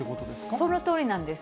そのとおりなんです。